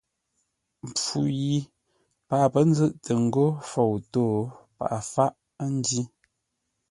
Mpfu yi paghʼə pə̌ nzʉ̂ʼtə ńgó fou tó, paghʼə fáʼ, ńjí.